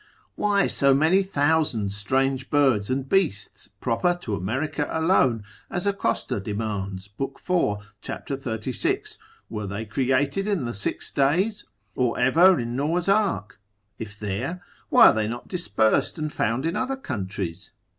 Why so many thousand strange birds and beasts proper to America alone, as Acosta demands lib. 4. cap. 36. were they created in the six days, or ever in Noah's ark? if there, why are they not dispersed and found in other countries?